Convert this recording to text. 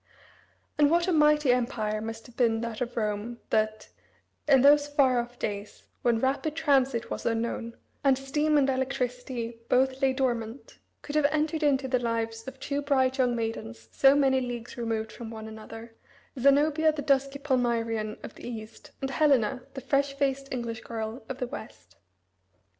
And what a mighty empire must have been that of Rome that, in those far off days, when rapid transit was unknown, and steam and electricity both lay dormant, could have entered into the lives of two bright young maidens so many leagues removed from one another Zenobia, the dusky Palmyrean of the East, and Helena, the fresh faced English girl of the West.